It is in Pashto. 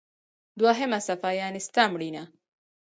دوهمه صفحه: یعنی ستا مړینه.